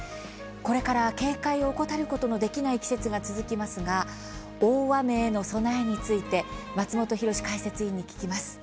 これから警戒を怠ることができない季節が続きますが大雨への備えについて松本浩司解説委員に聞きます。